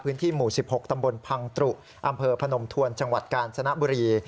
พื้นที่หมู่๑๖ตำบลพังตรุอำเภอพนมทวนจังหวัดกาญจนบุรี